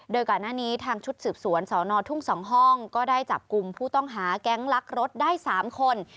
โดยก่อนหน้านี้ทางชุดสืบสวนสนทุ่ง๒ห้องก็ได้จับกลุ่มผู้ต้องหาแก๊งลักรถได้๓คน